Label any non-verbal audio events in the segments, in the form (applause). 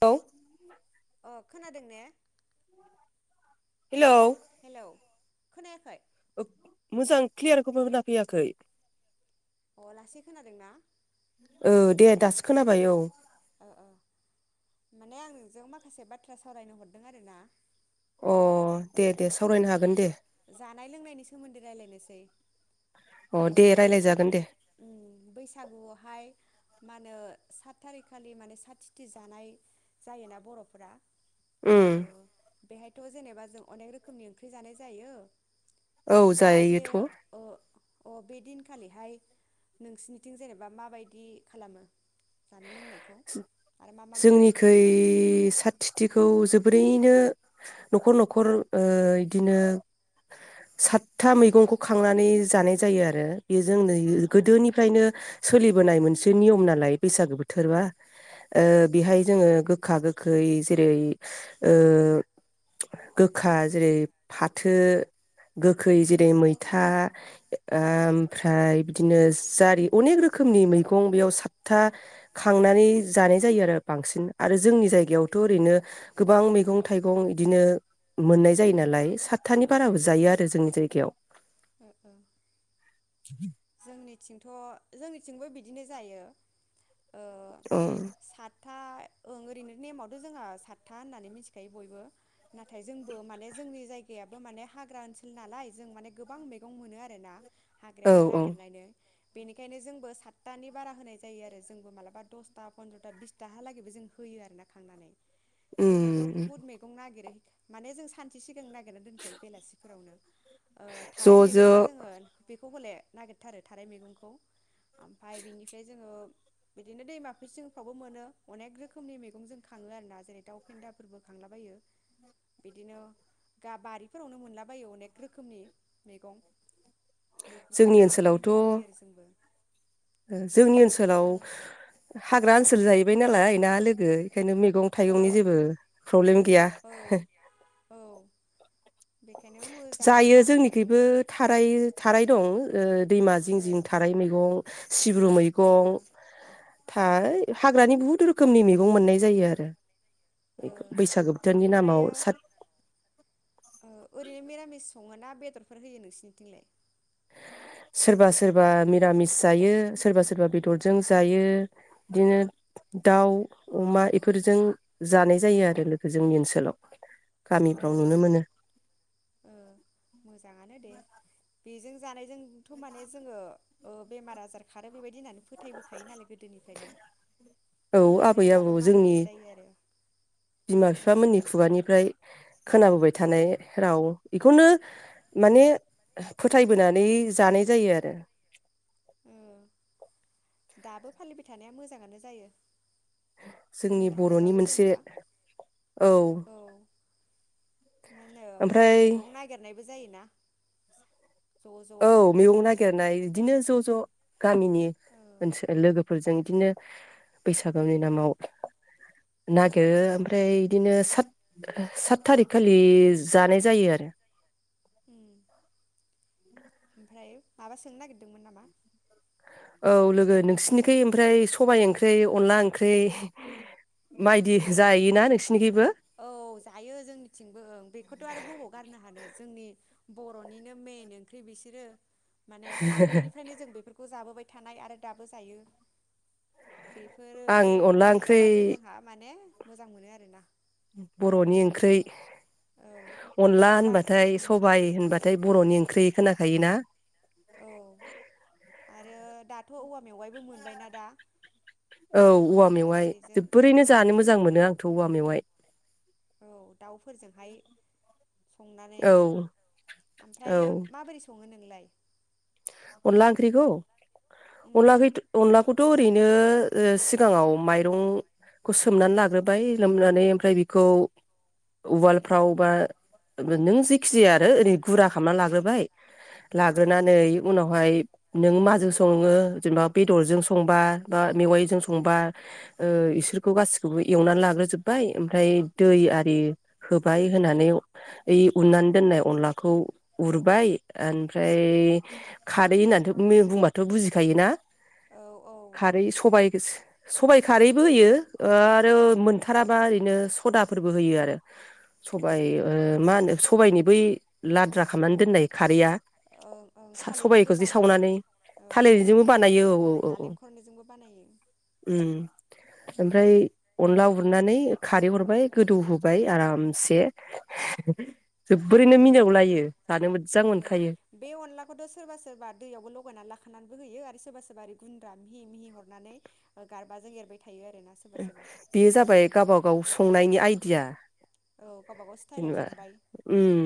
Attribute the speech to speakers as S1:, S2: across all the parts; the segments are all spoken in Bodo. S1: औ
S2: अ खोनादों ने
S1: हेलौ
S2: खोनायाखै
S1: ओ मोजां क्लियारखौबो खोना फैयाखै
S2: अ लासै खोनादोंना?
S1: औ दे दासो खोनाबाय औ
S2: ओ ओ माने आं नोंजों माखासे बाथ्रा सावरायनो हरदों आरो ना
S1: अ दे दे सावरायनो हागोन दे
S2: सै
S1: अ दे रायलाय जागोन दे
S2: मा होनो सात थारिखालि माने साथिथि जानाय जायोना बर'फोरा
S1: उम
S2: बेहायथ' जेनेबा जों अनेक रोख खोमनि ओंख्रि जानाय जायो दाबे ओ अ बे दिनखालिहाय नोंसिनिथिं जेनेबा माबायदि खालामो?
S1: जोंनिखै साथिथिखौ जोबोरैनो न'खर न'खर ओ इदिनो सातथा मैगंखौ खांनानै जानाय जायो आरो बे जों नैयो गोदोनिफ्रायनो सोलिबोनाय मोनसे नियम नालाय। बैसागो बोथोरबा ओ बेहाय जोङो गोखा, गोखै जेरै ओ गोखा जेरै फाथो, गोखै जेरै मैथा, ओमफ्राय बिदिनो जारि अनेक रोखोमनि मैगं बेयाव सात था खांनानै जानाय जायो आरो बांसिन। आरो जोंनि जायगायावथ' ओरैनो गोबां मैगं थाइगं इदिनो मोननाय जायो नालाय सातथानि बाराबो जायो आरो जोंनि जायगायाव
S2: औ औ जोंनिथिंथ' जोंनिथिंबो बिदिनो जायो।
S1: औ
S2: था ओं ओरैनो नेमावथ' जोंहा सातथा होननानै मिथिखायो बयबो। नाथाय जोंबो माने जोंनि जायगायाबो माने हाग्रा ओनसोल नालाय जों माने गोबां मैगं मोनो आरोना। हाग्रायावनो नागिरनानै बेनिखायनो जोंबो सातथानि बारा होनाय जायो आरो जोंबो मालाबा दसथा फन्द्र'था बिसथालागैबो जों होयो आरो ना खांनानै। जोङोथ' बुहुत मैगं नागिरो। माने जों सानसे सिगां नागिरना दोनखायो बेलासिफोरावनो। ओ थाराय मैगङा जोङो बे खौ हले नागिरथारो थारै मैगंखौ। ओमफ्राय बिनिफ्राय जोङो बिदिनो दैमाफोर सिंफ्रावबो मोनो अनेक रोखोमनि मैगं जों खाङो आरोना जेरै दाउ फेन्दाफोरबो खांलाबायो बिदिनो गा बारिफोरावनो मोनलाबायो अनेक रोखोमनि मैगं। बेफोरखौनो खांनानै होलाबायो आरो जोंबो।
S1: ओ जोंनि ओनसोलाव हाग्रा ओन सोल जाहैबाय नालाय ना लोगो? बेखायनो मैगं थाइगंनि जेबो प्रब्लेम गैया। जायो जोंनिखैबो थाराय थाराय दं। ओ दैमा जिं जिं थाराय मैगं सिब ब्रु मैगं, था ओइ हाग्रानि बुहुद रोखोमनि मैगं मोननाय जायो आरो। बैसागो बोथोरनि नामाव सा
S2: ओरैनो मिरामिस सङोना बेदरफोर होयो नोंसिनिथिंलाय?
S1: सोरबा सोरबा निरामिस जायो सोरबा सोरबा बेदरजों जायो। बिदिनो दाउ अमा इफोरजों जानाय जायो आरो लोगो जोंनि ओनसोलाव। गामिफ्राव नुनो मोनो।
S2: बेजों जानायजोंथ' माने जोङो ओ बेमार आजार खारो बेबायदि होननानै फो थायबोखायो नालाय गोदोनिफ्रायनो बेखायनो दाबो मानिनाय जायो आरो। औ
S1: खोनाबोबाय थानाय राव बेखौनो माने फोथायबोनानै जानाय जायो आरो।
S2: उम दाबो फालिबाय थानाया मोजाङानो जायो। जोंनि थाखायबाबो जेन'बा औ मा होनो मेगं नागिरनायबो जायोना।
S1: औ मैगं नागिरनाय बिदिनो ज' ज' गामिनि ओनसोल लोगोफोरजों बिदिनो बैसागुनि नामाव नागेरो ओमफ्राय बिदिनो सात सात थारिख खालि जानाय जायो आरो।
S2: उम ओमफ्राय माबा सोंनो नागिरदोंमोन नामा?
S1: औ लोगो नोंसिनिखै ओमफ्राय सबाइ ओंख्रि अनला ओंख्रि बायदि जायोना नोंसिनिखैबो?
S2: औ जायो जोंनिथिंबो बेखौथ' आरो बबाव गारनो हानाय जोंनि बर'निनो मेन ओंख्रि बिसोरो। माने आगोलनिफ्रायनो जों बेफोर खौ जाबोबाय थानाय आरो दाबो जायो। बेफोर ओंख्रिखौ मोनजाबासो जोंहा माने मोजां मोनो आरोना।
S1: बर'नि ओंख्रै अनला होनबाथाय सबाइ होनबाथाय बर'नि ओंख्रै खोनाखायोना?
S2: दाथ' औवा मेवाइबो मोनबायना दा।
S1: औ औवा मेवाइ जोबोरैनो जानो मोजां मोनो आंथ' औवा मेवाइ।
S2: संनानै ओमफ्रायो माबोरै सङो नों बुंलाय
S1: अनला ओंख्रिखौ? अनलाखै अनलाखौ थ' ओरैनो सिगाङाव माइरंखौ सोमनानै लाग्रोबाय सोमनानै ओमफ्राय बेखौ उवालफ्राव बा नों जेखि जाया आरो ओरै गुरा खामना लाग्रोबाय लाग्रोना नै उनावहाय नों माजों सङो जेनेबा बेदरजों संबा बा मेवाइजों संबा ओ इसोरखौ गासिखौबो एवना लाग्रोजोब्बाय ओमफ्राय दै आरि होबाय होनानै ओइ उननानै दोननाय अनलाखौ उरबाय ओमफ्राय खारै होननानैथ' मे बुंबाथ' बुजिखायोना? खारै सबाय सबाय खारैबो होयो आरो मोनथाराबा ओरैनो सदाफोरबो होयो आरो। सबाय ओ मा होनो सबाइनि बै लाद्रा खामनानै दोननाय खारैया सा सबाइखौ जि सावनानै थालिरजोंबो बानायो औ औ औ औ उम ओमफ्राय अनला उरनानै खारै हरबाय गोदौ होबाय आरामसे (unintelligible) जोबोरैनो मिलौलायो आरो मोजां मोनखायो।
S2: खौथ' सोरबा सोरबा दैयावबो लगायनानै लाखानानैबो होयो आरो सोरबा सोरबा ओरै गुन्द्रा मिह मिह हरनानै गारबा जों एरबाय
S1: बेयो जाबाय गावबागाव स संनायनि आइडिया। जेनेबा उम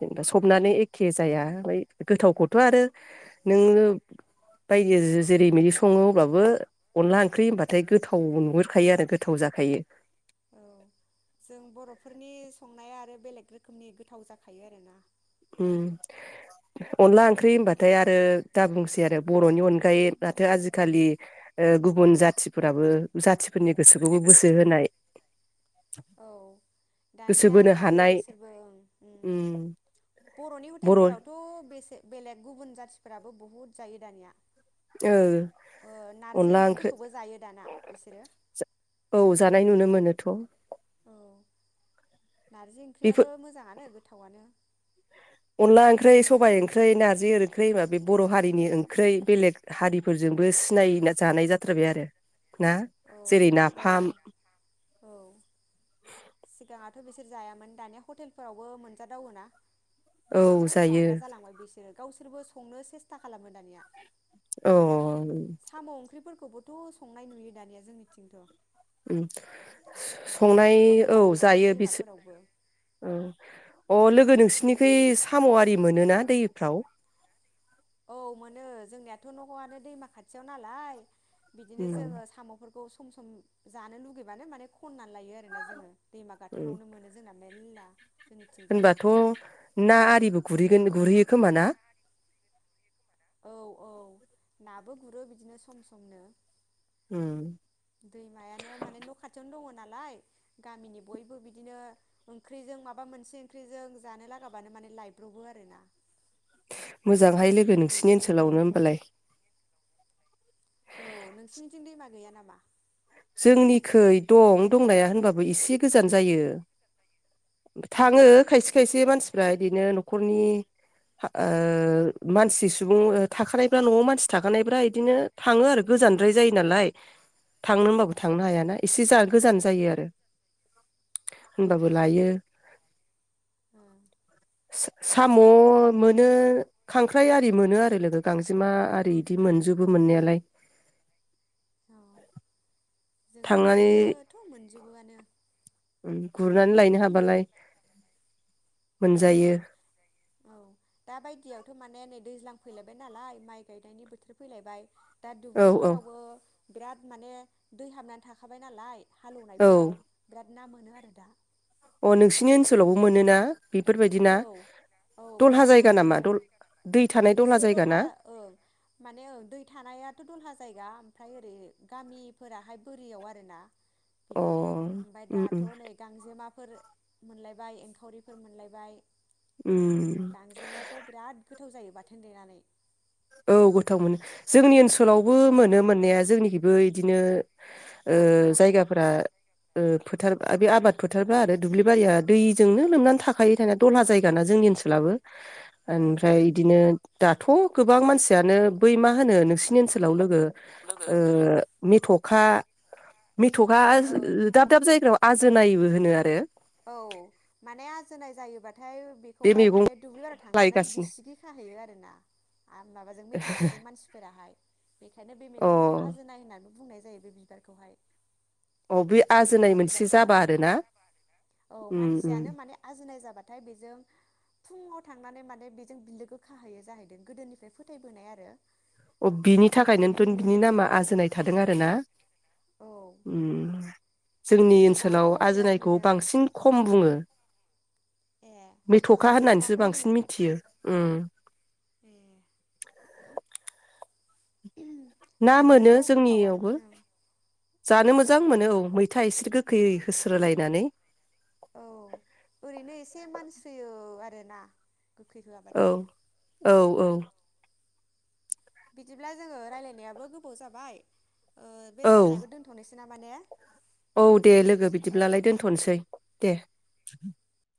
S1: जेनेबा सबनानो एखे जाया ओमफाय गोथावखौथ' आरो नोङो बायदि जे जेरै मेरै सङो अब्लाबो अनला ओंख्रि होनबाथाय गोथाव थाव नुहरखायो आरो गोथाव जाखायो।
S2: बेलेग रोखोमनि गोथाव जाखायो आरोना?
S1: उम अनला ओंख्रि होनबाथाय आरो दा बुंसै आरो बर'नि अनगायै माथो आजिखालि ओ गुबुन जाथिफोराबो जाथि- फोरनि गोसोखौबो बोसो होनाय
S2: औ दानिया जायो बिसोरबो ओं उम। बर'नि हटेलफोरावथ' बेसे- बेलेग गुबुन जाथिफोराबो बहुत जायो दानिया।
S1: ओ अनला ओंख्रि जा औ जानाय नुनो मोनो। थ'
S2: औ। नारजि ओंख्रियाबो मोजाङानो गोथावानो।
S1: अनला ओंख्रै सबाइ ओंख्रै नारजि ओंख्रै होनबा बे बर' हारिनि ओंख्रै बेलेग हारिफोरजोंबो सिनाय जानाय जाथारबाय आरो। ना जेरै नाफाम।
S2: सिगाङाथ' बिसोर जायामोन दानिया हटेलफोरावबो मोनजादावो ना। बिदिनो जाग्रा जालांबाय बिसोरो। गावसोरबो संनो सेस्था खालामो दानिया।
S1: अ।
S2: खौबोथ' संनाय नुयो दानिया जोंनिथिंथ'।
S1: उम स संनाय औ जायो बिसो औ अ लोगो नोंसोरनिखै साम'आरि मोनोना दैफ्राव?
S2: औ मोनो जोंनियाथ' न'आनो दैमा खाथियाव नालाय बिदिनो जोङो साम'फोर खौ सम सम जानो लुुगैबानो माने खननानै लायो आरोना जोङो दैमा गाथोनावनो मोनो जोंना। मेलला।
S1: होनबाथ' ना आरिबो गुरैगोन गुरैयो खोमा ना?
S2: औ औ नाबो गुरो बिदिनो सम समनो। दैमायानो माने न' खाथियावनो दङ। नालाय गामिनि बयबो बिदिनो ओंख्रिजों माबा मोनसे ओंख्रिजों जानो लागाबानो माने लायब्रबो आरोना।
S1: मोजांहाय लोगो नोंसिनि ओनसोलावनो ओमबालाय।
S2: औ नोंसिनिथिं दैमा गैया ना मा?
S1: जोंनिखै दं दंनाया होनबाबो एसे गोजान जायो। थाङो खायसे खायसे मानसिफ्रा इदिनो न'खरनि हा ओ मानसि सुबुं थाखानायफ्रा न'आव मानसि थाखानायफ्रा इदिनो थाङो आरो। गोजानद्राय जायो नालाय थांनो होनबाबो थांनो हाया ना। एसे जा गोजान जायो आरो होमबाबो लायो। सा-साम' मोनो खांख्राइ आरि मोनो आरो लोगो गांजेमा आरि बिदि मोनजोबो मोननायालाय।
S2: औ जोंनिखिबो थ' मोनजोबोआनो।
S1: उम गुरनानै लायनो हाबालाय
S2: औ औ दा बायदियावथ' माने नै दैज्लां फैलायबाय नालाय माइ गायनायनि बोथोर फैलायबाय। दा दुब्लिफोरावबो बिराद माने दै हाबनानै थाखाबाय नालाय हालेवनायफोराव बिराद ना मोनो आरो दा।
S1: अ नोंसिनि ओनसोलावबो मोनोना?
S2: औ औ बिराद ना मोनो ओं एसे दलहा ओं माने ओ दै थानायाथ' दलहा जायगा। ओमफाय ओरै गामिफोराहाय बोरियाव आरो ना। बिदि ओमफाय दाथ' नै गांजेमाफोर मोनलायबाय एंखावरिफोर मोनलाय बाय। गांजेमायाथ' बिराद गो थाव जायो बाथोन देनानै।
S1: औ गोथाव मोनो जोंनि ओनसो लावबो मोनो मोननाया जोंनिखै बो इदिनो ओ जायगाफोरा ओ फोथारा बे आबाद फोथारफ्रा आरो दुब्लिबारिया दैजोंनो लोंनानै थाखायो थानाया दलहा जायगाना जोंनि ओनसोलाबो। ओमफ्राय इदिनो दा थ' गोबां मानसियानो बै मा होनो नोंसिनि ओनसोलाव लोगो ओ मेथ'ख खा मेथखा ओ दाब दाब जायगायाव आजोनायबो होनो आरो।
S2: जोनाय जायोबाद थाय बेखौहाय माने दुब्लि बारिआव थांनानै बिसिगि खाहैयो आरो ना माबाजों मेथ'खाजों मानसिफोराहाय। बेखायनो बे मैगंखौ आजोनाय होननानै बुंनाय जायो बे बिबारखौहाय। मेथ'खा बिबारखौहाय औ मानसियानो माने आजोनाय जाबाथाय बेजों फुङाव थांनानै माने बेजों बिलोगो खाहैयो जाहैदों गोदोनिफ्राय फोथायबोनाय आरो।
S1: अ बिनि थाखायनोथ' बिनि नामा आजोनाय थादों आरो ना? उम जोंनि ओनसोलाव आजोनायखौ बांसिन खम बुङो। मेथ'खा होननानैसो बांसिन मिथियो उम।
S2: ए
S1: ना मोनो जोंनियावबो। जानो मोजां मोनो औ मैथा इसोर गो खैयै होस्रोलायनानै
S2: औ ओरैनो एसे मानसरोयो आरोना। गोखै होआबाथाय
S1: औ।
S2: बिदिब्ला जोङो राय्लायनायाबो गोबाव जाबाय। बे सावरायनायखौ दोनथ'नोसै। बिना माने
S1: औ दे लोगो बिदिब्लालाय दोनथ'नोसै दे।